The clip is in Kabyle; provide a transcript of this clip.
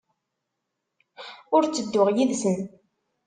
Ur ttedduɣ yid-sen.